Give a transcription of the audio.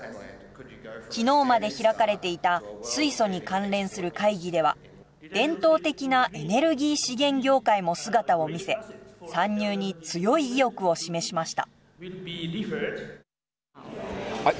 昨日まで開かれていた水素に関連する会議では伝統的なエネルギー資源業界も姿を見せ参入に強い意欲を示しました。